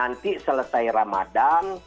nanti selesai ramadhan